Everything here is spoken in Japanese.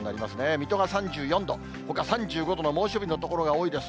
水戸が３４度、ほか３５度の猛暑日の所が多いです。